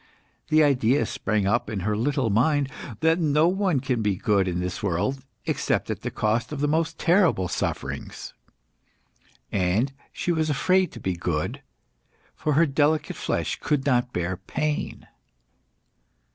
The idea sprang up in her little mind that no one can be good in this world except at the cost of the most terrible sufferings. And she was afraid to be good, for her delicate flesh could not bear pain.